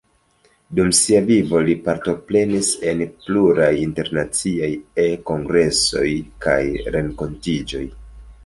Dum sia vivo li partoprenis en pluraj internaciaj e-kongresoj kaj renkontiĝoj.